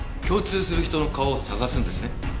共通する人の顔を捜すんですね？